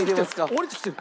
降りてきてる。